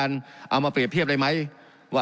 การปรับปรุงทางพื้นฐานสนามบิน